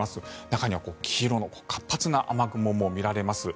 中には黄色の活発な雨雲も見られます。